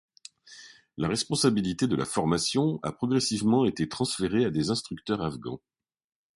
La responsabilité de la formation a progressivement été transférée à des instructeurs Afghans.